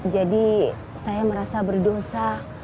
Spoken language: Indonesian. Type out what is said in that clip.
jadi saya merasa berdosa